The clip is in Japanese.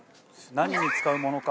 何に使うものか？